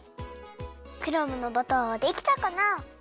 クラムのバターはできたかな？